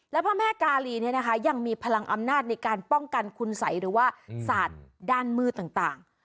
แล้วพระแม่กาลีเนี่ยนะคะยังมีพลังอำนาจในการป้องกันคุณสัยหรือว่าศาสตร์ด้านมือต่าง